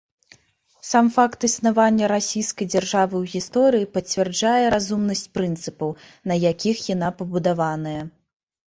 Сам факт існавання расійскай дзяржавы ў гісторыі пацвярджае разумнасць прынцыпаў, на якіх яна пабудаваная.